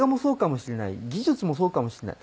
技術もそうかもしれない。